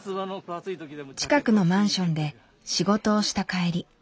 近くのマンションで仕事をした帰り